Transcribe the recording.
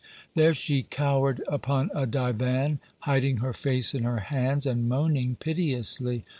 There she cowered upon a divan, hiding her face in her hands and moaning piteously.